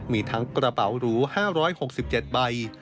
มีทั้งกระเป๋าหรู๕๖๗ใบ